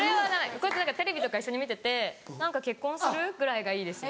こうやって何かテレビとか一緒に見てて何か結婚する？ぐらいがいいです。